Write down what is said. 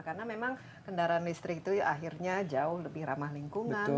karena memang kendaraan listrik itu akhirnya jauh lebih ramah lingkungan